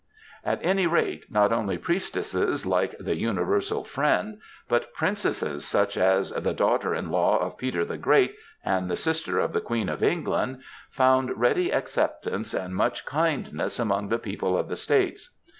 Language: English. At any rate, not only Priestesses like the Universal Friend, but Princesses such as *^the daughter in law of Peter the Great and the sister of the Queen of England,^ found ready acceptance and much kindness among the people of the States.